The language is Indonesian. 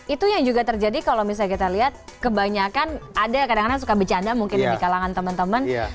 itu yang juga terjadi kalau misalnya kita lihat kebanyakan ada kadang kadang suka bercanda mungkin di kalangan teman teman